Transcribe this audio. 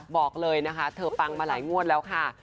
บอกเลยนะคะเธอปังมาหลายงวดแล้วค่ะ